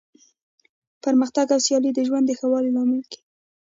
پرمختګ او سیالي د ژوند د ښه والي لامل کیږي.